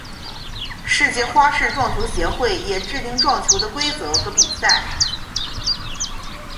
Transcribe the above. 世界花式撞球协会也制定撞球的规则和比赛。